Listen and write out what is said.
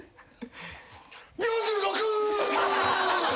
４６！